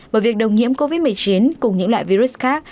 bởi việc đồng nhiễm covid một mươi chín cùng những loại virus khác